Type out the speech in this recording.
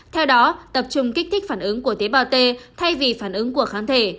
theo đó tập trung kích thích phản ứng của tế bào t thay vì phản ứng của kháng thể